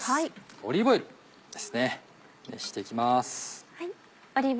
オリーブオイルですね熱して行きます。